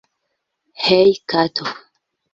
Hej kato